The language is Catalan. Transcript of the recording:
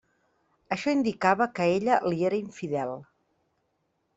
Això indicava que ella li era infidel.